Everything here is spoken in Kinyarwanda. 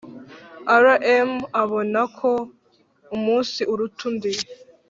Rm abona ko umunsi uruta undi